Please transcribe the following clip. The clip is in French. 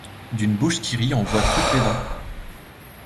D’une bouche qui rit on voit toutes les dents.